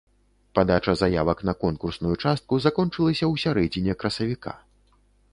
Падача заявак на конкурсную частку закончылася ў сярэдзіне красавіка.